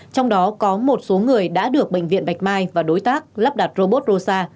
trong đó có một số người đã được bệnh viện bạch mai và đối tác lắp đặt robot rosa